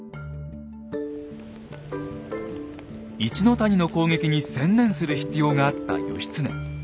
一の谷の攻撃に専念する必要があった義経。